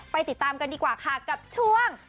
ติดตามกันดีกว่าค่ะกับช่วง